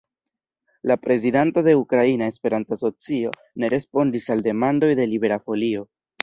La prezidanto de Ukraina Esperanto-Asocio ne respondis al demandoj de Libera Folio.